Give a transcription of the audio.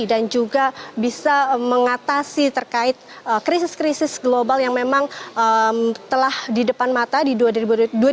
dan juga bisa mengatasi terkait krisis krisis global yang memang telah di depan mata di dua ribu dua puluh tiga